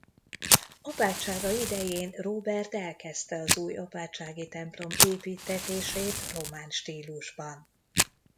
Apátsága idején Róbert elkezdte az új apátsági templom építtetését román stílusban.